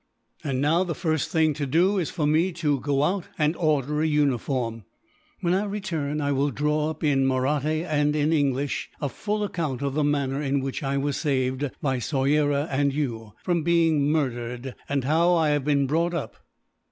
"And now, the first thing to do is for me to go out and order a uniform. When I return I will draw up, in Mahratti and English, a full account of the manner in which I was saved, by Soyera and you, from being murdered; and how I have been brought up."